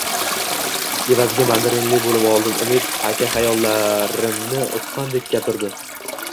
Evaziga mandarinli bo`lib oldim, Umid aka xayollarimni uqqandek gapirdi